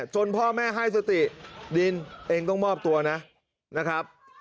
จนพ่อแม่ให้สติดินเองต้องมอบตัวนะนะครับ